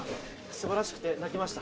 素晴らしくて泣きました。